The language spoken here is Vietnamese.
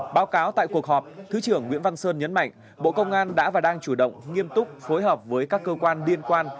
báo cáo tại cuộc họp thứ trưởng nguyễn văn sơn nhấn mạnh bộ công an đã và đang chủ động nghiêm túc phối hợp với các cơ quan liên quan